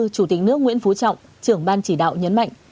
chủ tịch nước nguyễn phú trọng trưởng ban chỉ đạo nhấn mạnh